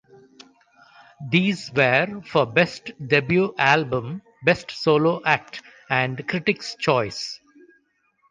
These were for "best debut album", "Best solo act" and "critics choice".